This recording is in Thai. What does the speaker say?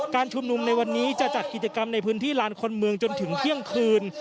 ชุมนุมในวันนี้จะจัดกิจกรรมในพื้นที่ลานคนเมืองจนถึงเที่ยงคืน